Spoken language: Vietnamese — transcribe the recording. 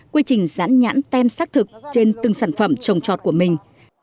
quy trình giãn nhãn tem xác thực trên từng sản phẩm trồng trọt của mình